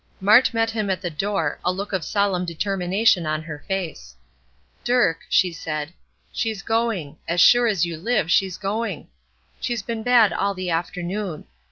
Mart met him at the door, a look of solemn determination on her face. "Dirk," she said, "she's going; as sure as you live, she's going. She's been bad all the afternoon.